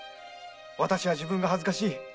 私は自分が恥ずかしい。